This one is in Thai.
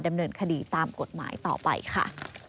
ดำเนินคดีตามกฎหมายต่อไปค่ะ